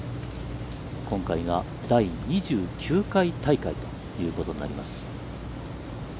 今回が第２９回大会ということになります。